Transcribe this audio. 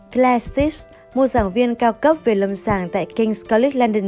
claire stips một giảng viên cao cấp về lâm sàng tại king s college london